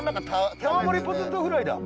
山盛りポテトフライだ。